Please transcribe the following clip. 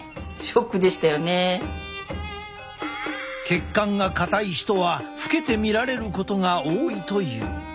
血管が硬い人は老けて見られることが多いという。